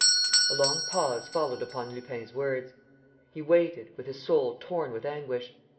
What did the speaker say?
A long pause followed upon Lupin's words. He waited, with his soul torn with anguish.